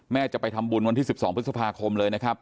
จะไปทำบุญวันที่๑๒พฤษภาคมเลยนะครับ